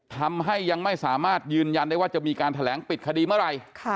ทำให้ยังไม่สามารถยืนยันได้ว่าจะมีการแถลงปิดคดีเมื่อไหร่